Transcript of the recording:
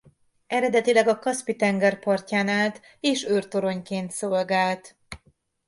Eredetileg a Kaszpi-tenger partján állt és őrtoronyként szolgált.